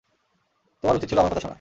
তোমার উচিৎ ছিল আমার কথা শোনা।